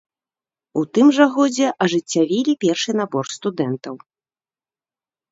У тым жа годзе ажыццявілі першы набор студэнтаў.